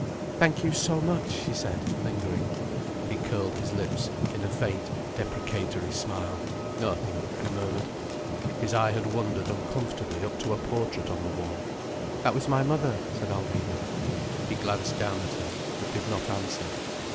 "Thank you so much," she said, lingering. He curled his lips in a faint deprecatory smile. "Nothing," he murmured. His eye had wandered uncomfortably up to a portrait on the wall. "That was my mother," said Alvina. He glanced down at her, but did not answer.